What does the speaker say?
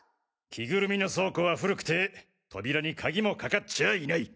着ぐるみの倉庫は古くて扉に鍵もかかっちゃいない。